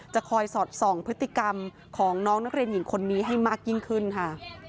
จะคอยสอดส่องพฤติกรรมของน้องนักเรียนหญิงคนนี้ให้มากยิ่งขึ้นค่ะ